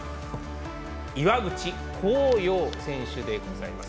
岩渕幸洋選手でございます。